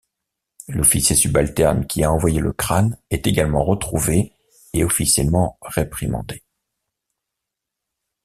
L'officier subalterne qui a envoyé le crâne est également retrouvé et officiellement réprimandé.